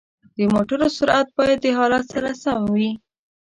د موټرو سرعت باید د حالت سره سم وي.